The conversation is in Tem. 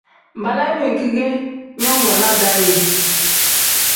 Balaayi wenki ge nyongonaa daa ye ?